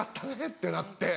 ってなって。